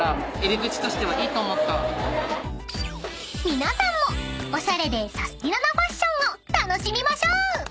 ［皆さんもおしゃれでサスティな！なファッションを楽しみましょう！］